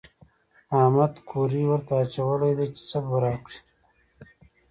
احمد کوری ورته اچولی دی چې څه به راکړي.